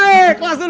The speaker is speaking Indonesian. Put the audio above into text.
buanglardan sini ale